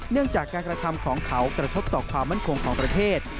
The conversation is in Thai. เนื่องจากการกระทำของเขากระทบต่อความมั่นคงของประเทศ